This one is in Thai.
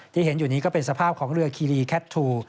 ที่เห็นอยู่นี้ก็เป็นสภาพของเรือคีรีแคททู